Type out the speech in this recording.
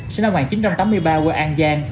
sinh năm một nghìn chín trăm tám mươi ba quê an giang